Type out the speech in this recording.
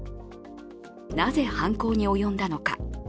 なぜ犯行に及んだのか。